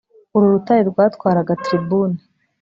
uru rutare rwatwaraga tribune